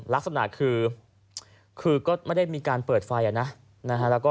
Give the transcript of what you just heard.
ลักษณะคือคือก็ไม่ได้มีการเปิดไฟอ่ะนะนะฮะแล้วก็